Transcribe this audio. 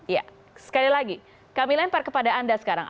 ya sekali lagi kami lempar kepada anda sekarang